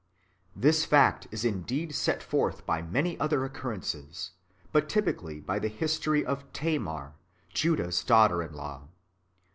This fact is indeed set forth by many other [occur rences], but typically by [the history of] Thamar, Judah's daughter in law.